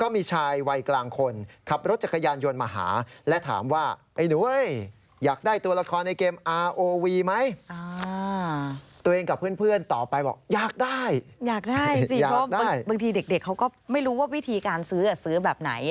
บางทีเด็กเค้าก็ไม่รู้ว่าวิธีการซื้อซื้อแบบไหน